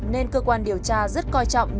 nên cơ quan điều tra rất coi trọng